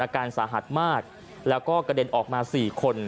อาการสาหัสมากแล้วก็กระเด็นออกมา๔คน